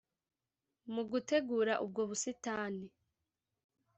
Mu gutegura ubwo busitani